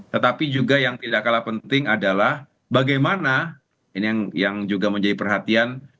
tetapi juga yang tidak kalah penting adalah bagaimana ini yang juga menjadi perhatian